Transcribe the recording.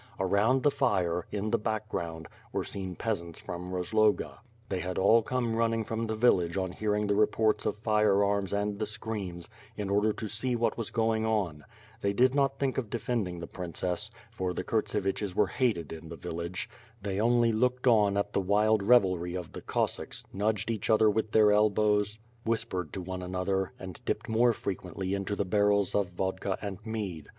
Around the fire, in the background, were seen peasants from Rozloga. They had all come running from the village on hearing the reports of firearms and the screams, in order to see what was going on. They did not think of defending the princess, for the Kurtscviches were hated in the village. They only looked on at the wild revelry of the Cossacks, nudged each other with their elbows, whispered to one another, and dipped more frequently into the barrels of vodka and mead.